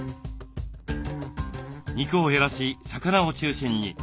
肉を減らし魚を中心に。